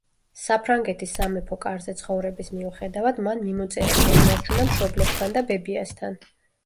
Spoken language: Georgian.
საფრანგეთის სამეფო კარზე ცხოვრების მიუხედავად, მან მიმოწერა შეინარჩუნა მშობლებთან და ბებიასთან.